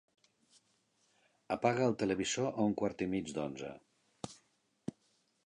Apaga el televisor a un quart i mig d'onze.